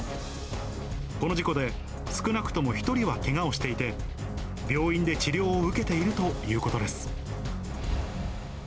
この事故で、少なくとも１人はけがをしていて、病院で治療を受けているということです。